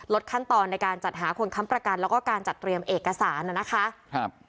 ขั้นตอนในการจัดหาคนค้ำประกันแล้วก็การจัดเตรียมเอกสารน่ะนะคะครับ